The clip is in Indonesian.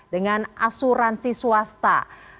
dengan asuransi swasta